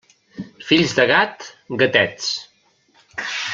Fills de gat, gatets.